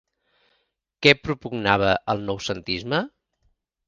Què propugnava el noucentisme?